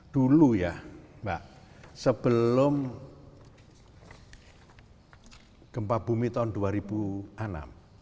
dulu ya mbak sebelum gempa bumi tahun dua ribu enam